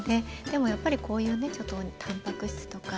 でもやっぱりこういうねちょっとたんぱく質とか。